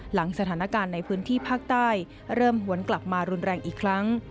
หลังสถานการณ์ในพื้นที่ภาคใต้เริ่มหวนกลับมารุนแรงอีกครั้ง